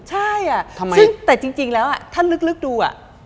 แต่จริงแล้วถ้าลึกดู